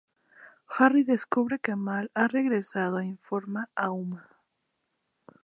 Harry descubre que Mal ha regresado e informa a Uma.